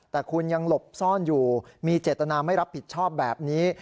แต่คุณยังหลบซ่อนอยู่มีเจตนาไม่รับผิดชอบแบบนี้